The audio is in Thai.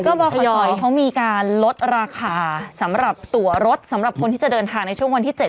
ก็บขยเขามีการลดราคาสำหรับตัวรถสำหรับคนที่จะเดินทางในช่วงวันที่๗